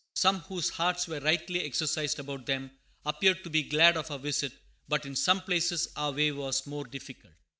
Some, whose hearts were rightly exercised about them, appeared to be glad of our visit, but in some places our way was more difficult.